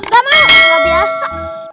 gak mau gak biasa